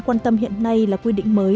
quan tâm hiện nay là quy định mới